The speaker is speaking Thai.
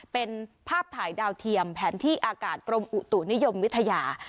เป็นภาพถ่ายดาวเทียมแผนที่อากาศกรมอุตุนิยมวิทยา